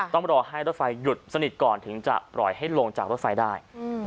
ต้องรอให้รถไฟหยุดสนิทก่อนถึงจะปล่อยให้ลงจากรถไฟได้